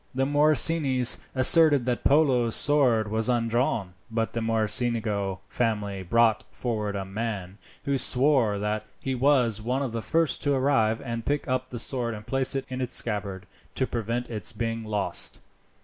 The Morosinis asserted that Polo's sword was undrawn, but the Mocenigo family brought forward a man, who swore that he was one of the first to arrive, and pick up the sword and place it in its scabbard to prevent its being lost.